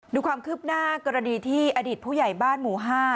ดูความคืบหน้ากรณีที่อดีตผู้ใหญ่บ้านหมู่๕